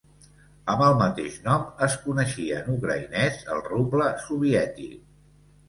Amb el mateix nom es coneixia en ucraïnès el ruble soviètic.